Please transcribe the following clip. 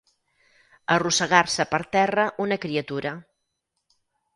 Arrossegar-se per terra una criatura.